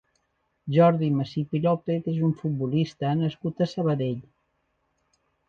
Jordi Masip i Lopez és un futbolista nascut a Sabadell.